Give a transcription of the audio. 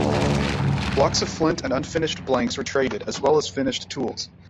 Blocks of flint and unfinished blanks were traded, as well as finished tools.